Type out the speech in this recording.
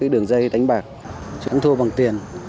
đường dây đánh bạc chúng thua bằng tiền